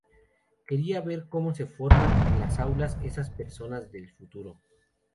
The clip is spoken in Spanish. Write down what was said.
Quería ver cómo se forman en las aulas esas personas del futuro.